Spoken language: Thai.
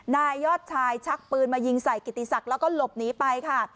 นายยอดชายชักปืนมายิงใส่กิติศักดิ์แล้วก็หลบหนีไปค่ะ